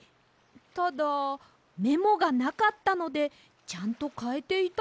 ただメモがなかったのでちゃんとかえていたのかどうか。